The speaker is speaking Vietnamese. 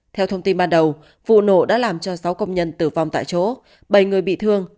theo thông tin ban đầu vụ nổ đã làm cho sáu công nhân tử vong tại chỗ bảy người bị thương